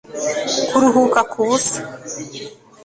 Kuruhuka kubusa